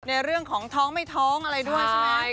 ในเรื่องของท้องไม่ท้องอะไรด้วยใช่ไหม